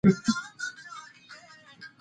په زده کړه کې ویره نشته.